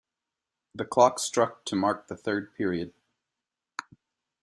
The clock struck to mark the third period.